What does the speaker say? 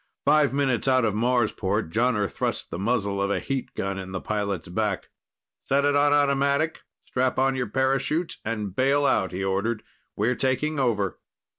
Five minutes out of Marsport, Jonner thrust the muzzle of a heat gun in the pilot's back. "Set it on automatic, strap on your parachute and bail out," he ordered. "We're taking over."